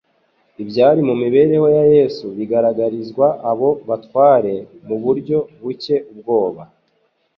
Ibyari mu mibereho ya Yesu bigaragarizwa abo batware mu buryo butcye ubwoba.